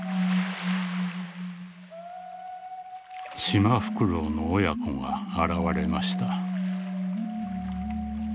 「シマフクロウの親子が現れました」。